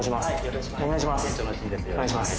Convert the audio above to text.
よろしくお願いします